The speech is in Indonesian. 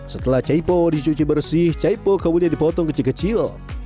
setelah caipo dicuci bersih caipo kemudian dipotong kecil kecil